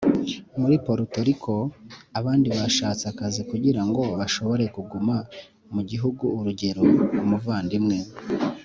Muri Poruto Riko Abandi Bashatse Akazi Kugira Ngo Bashobore Kuguma Mu Gihugu Urugero Umuvandimwe